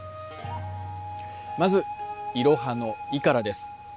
まず「いろは」の「い」からです。